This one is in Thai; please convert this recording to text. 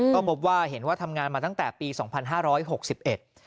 ก็พบว่าเห็นว่าทำงานมาตั้งแต่ปีสองพันห้าร้อยหกสิบเอ็ด